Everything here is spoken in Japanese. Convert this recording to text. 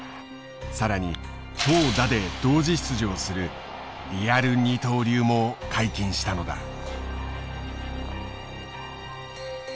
更に投打で同時出場するリアル二刀流も解禁したのだ。